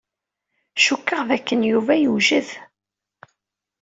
Cukkeɣ d akken Yuba iwjed.